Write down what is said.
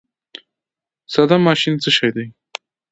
ساده ماشین څه شی دی؟